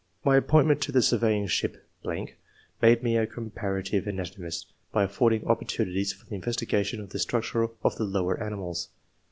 My appoint ment to the surveying ship .... made me a comparative anatomist, by affording opportu nities for the investigation of the structure of the lower animals.